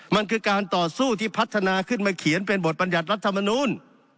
มันคือการต่อสู้ที่พัฒนาขึ้นมาเขียนเป็นบทบรรยัติรัฐมนูล